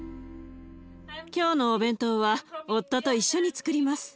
今日のお弁当は夫と一緒につくります。